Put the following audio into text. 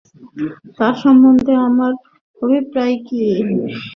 তাঁহার সম্বন্ধে আপনার অভিপ্রায় কী, তাহা জিজ্ঞাসা করিবার অধিকার আমার আছে–আমি অন্নদাবাবুর বন্ধু।